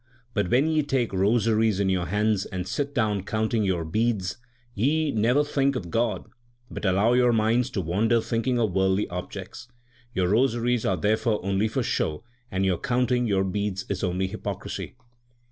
But when ye take rosaries in your hands, and sit down counting your beads, ye never think of God, but allow your minds to wander thinking of worldly objects. Your rosaries are therefore only for show, and your counting your beads is only hypocrisy.